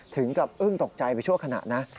ถึงกับอึ้งตกใจไปชั่วขณะนะ